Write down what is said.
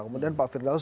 kemudian pak firdaus